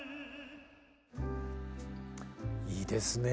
いいですね